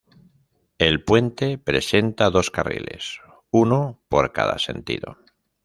El puente presenta dos carriles, uno por cada sentido.